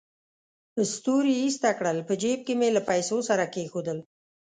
ستوري ایسته کړل، په جېب کې مې له پیسو سره کېښودل.